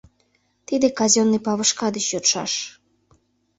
Тиде казённый павышка деч йодшаш: